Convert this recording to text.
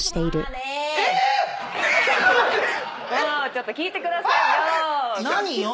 ・ちょっと聞いてくださいよ。